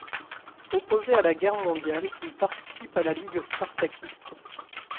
Opposé à la guerre mondiale, il participe à la Ligue spartakiste.